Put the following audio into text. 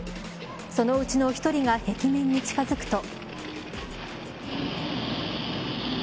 そのうちの１人が壁面に近づくと。